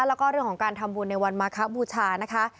แล้วก็เรื่องของการทำบุญในวันมาคบูชานะคะ